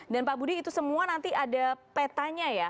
dan pak budi itu semua nanti ada petanya ya